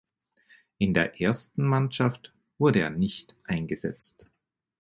In der ersten Mannschaft wurde er nicht eingesetzt.